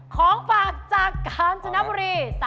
ของฝากจากกาญจนบุรี